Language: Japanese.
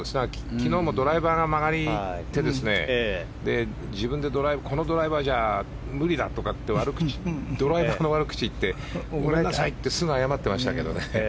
昨日もドライバーが曲がって自分でこのドライバーじゃ無理だって言ってドライバーの悪口言ってごめんなさいってすぐ謝ってましたけど。